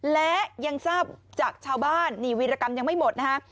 และยังทราบจากชาวบ้านนี่วีรกรรมยังไม่หมดนะฮะ